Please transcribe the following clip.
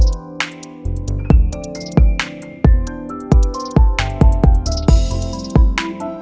hẹn gặp lại